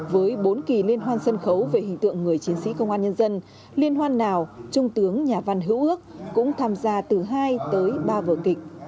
với bốn kỳ liên hoan sân khấu về hình tượng người chiến sĩ công an nhân dân liên hoan nào trung tướng nhà văn hữu ước cũng tham gia từ hai tới ba vở kịch